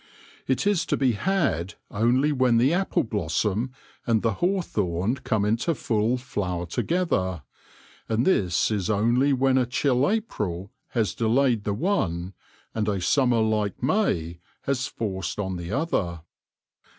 It is to be had only when the apple blossom and the hawthorn come into full flower together, and this is only when a chill April has delayed the one and a summer like May has forced on the other.